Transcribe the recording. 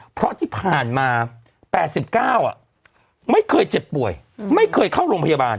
เพราะที่ผ่านมา๘๙ไม่เคยเจ็บป่วยไม่เคยเข้าโรงพยาบาล